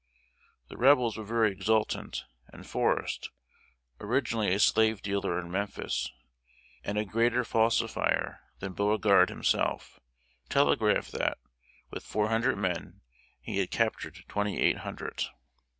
The Rebels were very exultant, and Forrest originally a slave dealer in Memphis, and a greater falsifier than Beauregard himself telegraphed that, with four hundred men, he had captured twenty eight hundred.